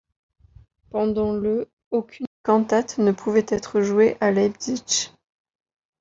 Pendant le aucune cantate ne pouvait être jouée à Leipzig.